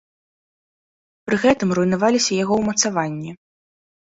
Пры гэтым руйнаваліся яго ўмацаванні.